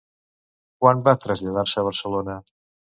Quan va traslladar-se a Barcelona?